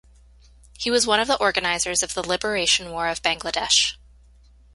He was one of the organizers of the Liberation War of Bangladesh.